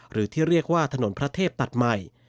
หรือที่เรียกว่าถนนพระเทพตัดใหม่